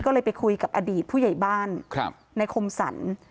ก็เลยไปคุยกับอดีตผู้ใหญ่บ้านในคมสรร